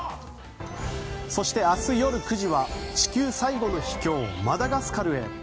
そして、明日夜９時は地球最後の秘境マダガスカルへ！